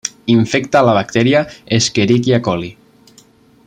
Infecta a la bacteria Escherichia coli.